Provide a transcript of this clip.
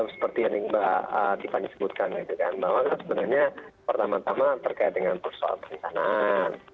seperti yang mbak tiffany sebutkan bahwa sebenarnya pertama tama terkait dengan persoalan perencanaan